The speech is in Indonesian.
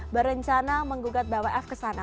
berencana menggugat bwf ke sana